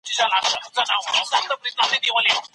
د دغه نرمغالي دپاره باید تلپاته کوښښ وکړو.